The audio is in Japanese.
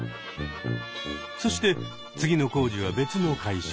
そして次の工事は別の会社に。